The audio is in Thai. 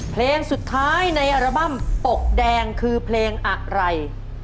เพลงสุดท้ายในอัลบั้มปกแดงคือเพลงอะไร